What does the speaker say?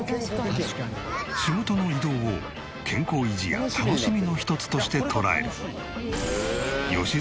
仕事の移動を健康維持や楽しみの一つとして捉える。